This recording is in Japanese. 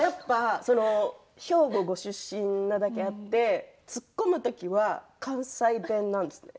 兵庫県ご出身なだけあって突っ込む時は関西弁なんですか？